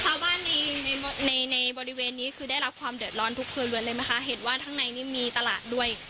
ชาวบ้านในในบริเวณนี้คือได้รับความเดือดร้อนทุกครัวเรือนเลยไหมคะเห็นว่าข้างในนี่มีตลาดด้วย